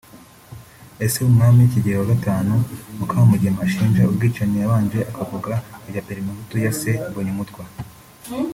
Ese Umwami Kigeli V Mukamugema ashinja ubwicanyi yabanje akavuga ibya parmehutu ya se Mbonyumutwa